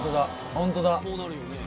本当だ！